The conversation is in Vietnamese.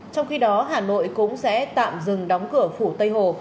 trong khi đó hà nội cũng sẽ tạm dừng đóng cửa phủ tây hồ